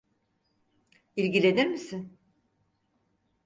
İlgilenir misin?